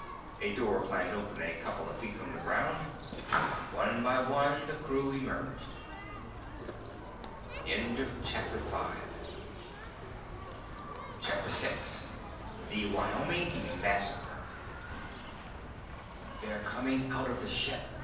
A door clanged open a couple of feet from the ground, and one by one the crew emerged. CHAPTER VI The "Wyoming Massacre" "They're coming out of the ship."